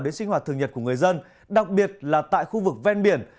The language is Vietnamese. đến sinh hoạt thường nhật của người dân đặc biệt là tại khu vực ven biển